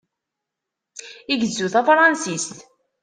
Igezzu tafṛansist.